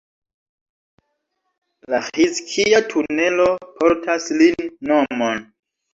La Ĥizkija-tunelo portas lin nomon.